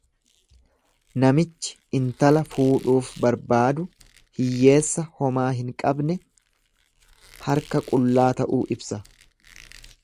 Namichi intala fuudhuuf barbaadu hiyyeessa homaa hin qabne, harka qullaa ta'uu ibsa.